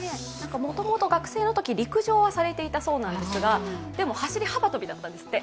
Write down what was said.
もともと学生のとき陸上はされていたそうなんですが、でも走り幅跳びだったんですって。